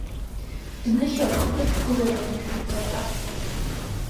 Днышьамхнышгылоит анышәынҭра аҿаԥхьа.